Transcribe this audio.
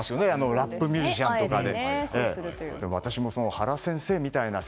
ラップミュージシャンとかで。